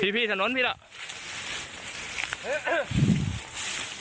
พี่สนุนมีแล้ว